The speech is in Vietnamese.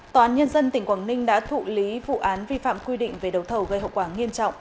tòa án nhân dân tỉnh quảng ninh đã thụ lý vụ án vi phạm quy định về đầu thầu gây hậu quả nghiêm trọng